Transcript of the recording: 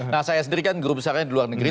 nah saya sendiri kan guru besarnya di luar negeri